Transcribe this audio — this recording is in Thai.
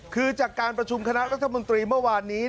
คือจากการประชุมคณะรัฐมนตรีเมื่อวานนี้